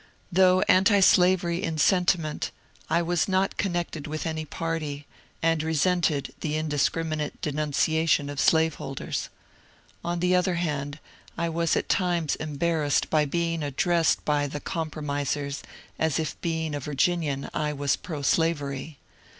Although antislavery in sentiment, I was not connected with any party, and resented the indiscriminate denunciation of slaveholders. On the other hand, I was at times embar STORIES OF RXJFUS CHOATE 177 rassed by being addressed by the '^ compromisers '' as if being a Virginian I was proslavery.